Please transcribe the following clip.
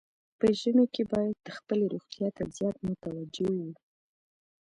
په ژمي کې باید خپلې روغتیا ته زیات متوجه وو.